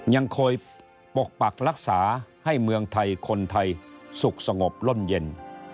ยังคอยปกปักรักษาให้เมืองไทยคนไทยสุขสงบล่มเย็น